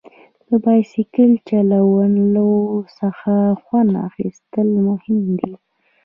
د بایسکل چلولو څخه خوند اخیستل مهم دي.